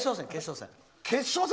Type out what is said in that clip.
決勝戦。